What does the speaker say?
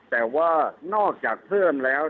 แต่ว่านอกจากเพิ่มแล้ว